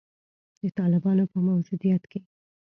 د طالبانو په موجودیت کې